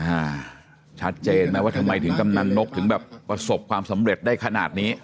อ่าชัดเจนไหมว่าทำไมถึงกำนันนกถึงแบบประสบความสำเร็จได้ขนาดนี้